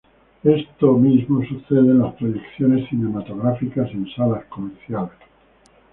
Esto mismo sucede en las proyecciones cinematográficas en salas comerciales.